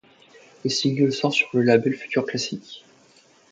Le single sort le sur le label Future Classic.